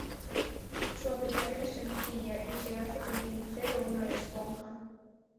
Su aplicación es sencilla y se hace con pincel o una esponja.